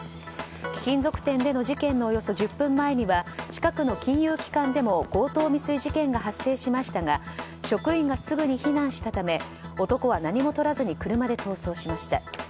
貴金属店での事件のおよそ１０分前には近くの金融機関でも強盗未遂事件が発生しましたが職員がすぐに避難したため男は何も取らずに車で逃走していました。